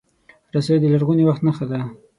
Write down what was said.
رسۍ د لرغوني وخت نښه ده.